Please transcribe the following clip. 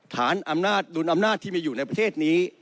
ฐานอำนาจดุลอำนาจที่มีอยู่ในประเทศนี้